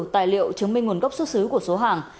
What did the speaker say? tài liệu chứng minh nguồn gốc xuất xứ của số hàng